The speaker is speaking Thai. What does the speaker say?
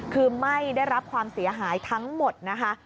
คือไม่ได้รับความเสียหายทั้งหมดนะคะ